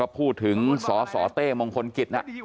พูดถึงสฉเต้มองคลงิต